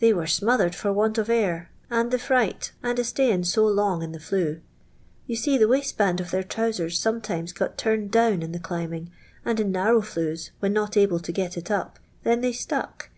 They were smothered for want of air, and thi' fright, and a st^iyin' so long in the flue; yon MM" the waistband of their tnnvscrs sometiniet , gilt turned down in the climbing, nnd in narrow flues, when not able to get it up, then they stuck.